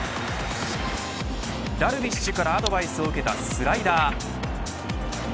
ダルビッシュからアドバイスを受けたスライダー。